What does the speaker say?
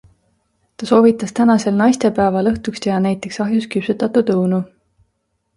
Ta soovitas tänasel naistepäeval õhtuks teha näiteks ahjus küpsetatud õunu.